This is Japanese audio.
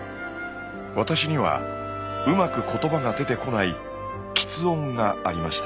私にはうまく言葉が出てこない「吃音」がありました。